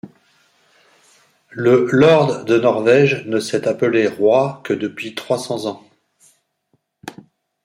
Le lord de Norvège ne s’est appelé roi que depuis trois cents ans.